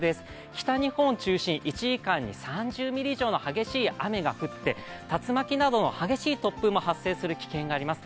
北日本を中心に１時間に３０ミリ以上の激しい雨が降って竜巻などの激しい突風も発生する危険があります。